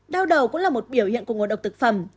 đau đầu cũng là một biểu hiện của ngộ độc thực phẩm